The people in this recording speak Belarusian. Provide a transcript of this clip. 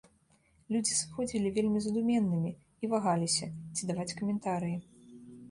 Людзі сыходзілі вельмі задуменнымі і вагаліся, ці даваць каментарыі.